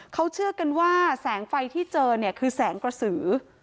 เขาเชื่อกันว่าแสงไฟที่เจอเนี่ยคือแสงกระสือ